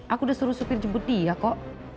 aku udah suruh supir jemput dia kok